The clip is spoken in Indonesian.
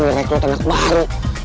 ngerekrut anak baru